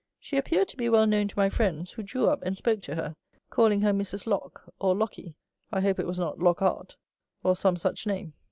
She appeared to be well known to my friends, who drew up and spoke to her, calling her Mrs. Lock, or Locky (I hope it was not Lockart), or some such name.